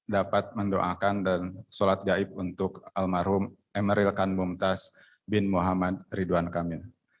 dapat mendoakan dan sholat gaib untuk almarhum emeril khan bumtas bin muhammad ridwan khamil